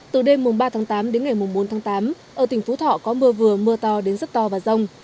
từ đêm ba tháng tám đến ngày bốn tháng tám ở tỉnh phú thọ có mưa vừa mưa to đến rất to và rông